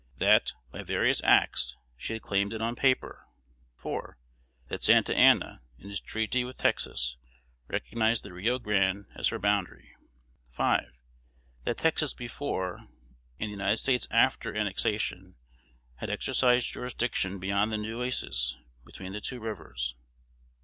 That, by various acts, she had claimed it on paper. 4. That Santa Anna, in his treaty with Texas, recognized the Rio Grande as her boundary. 5. That Texas before, and the United States after annexation, had exercised jurisdiction beyond the Nueces, between the two rivers.